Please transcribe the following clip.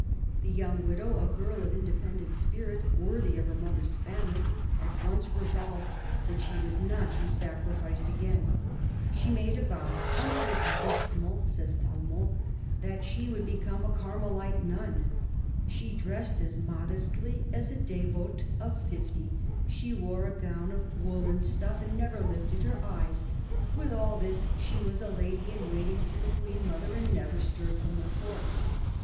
The young widow, a girl of inde pendent spirit, worthy of her mother's family, at once resolved that she would not be sacrificed again. She made a vow —" un peu brusquement," says Tallemant — that she 128 CARDINAL DE RICHELIEU would become a Carmelite nun. ..." She dressed as modestly as a devote of fifty. ,. She wore a gown of woollen stuff, and never lifted her eyes. With all this she was a lady in waiting to the Queen mother and never stirred from the Court.